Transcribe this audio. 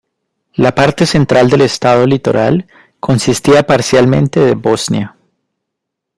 La parte central del estado Litoral consistía parcialmente de Bosnia.